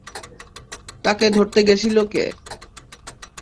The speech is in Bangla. তাকে ধরতে গেছিল কে?